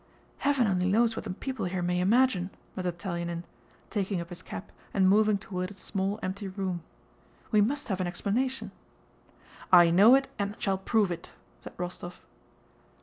"Heaven only knows what the people here may imagine," muttered Telyánin, taking up his cap and moving toward a small empty room. "We must have an explanation..." "I know it and shall prove it," said Rostóv.